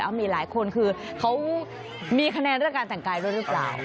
มีหลายคนคือเขามีคะแนนเรื่องการแต่งกายด้วยหรือเปล่า